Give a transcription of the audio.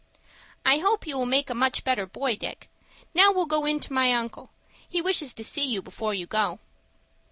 "I hope you will make a much better boy, Dick. Now we'll go in to my uncle. He wishes to see you before you go."